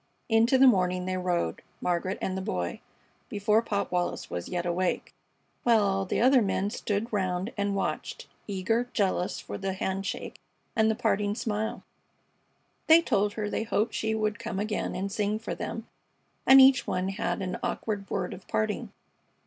Into the morning they rode, Margaret and the Boy, before Pop Wallis was yet awake, while all the other men stood round and watched, eager, jealous for the handshake and the parting smile. They told her they hoped she would come again and sing for them, and each one had an awkward word of parting.